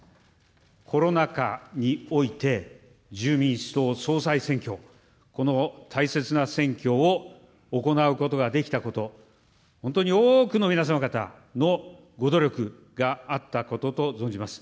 コロナ禍において、自由民主党総裁選挙、この大切な選挙を行うことができたこと、本当に多くの皆様方のご努力があったことと存じます。